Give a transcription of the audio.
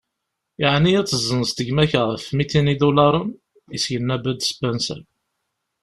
Yeɛni ad tezzenzeḍ gma-k ɣef mitin idularen? i s-yenna Bud Spencer.